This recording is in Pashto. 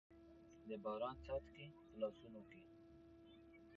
د باران څاڅکي، په لاسونو کې